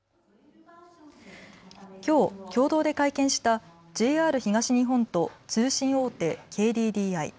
きょう共同で会見したＪＲ東日本と通信大手、ＫＤＤＩ。